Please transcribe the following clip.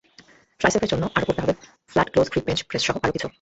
ট্রাইসেপের জন্য আরও করতে হবে ফ্লাট ক্লোজ গ্রিপ বেঞ্চ প্রেসসহ আরও কিছু।